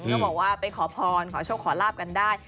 ก็บอกว่าไปขอพรขอโชคขอลาบกันได้